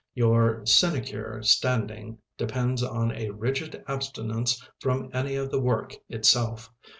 Your sinecure standing depends on a rigid abstinence from any of the work itself.